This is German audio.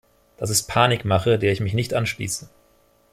Das ist Panikmache, der ich mich nicht anschließe.